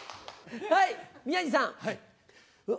はい、宮治さん。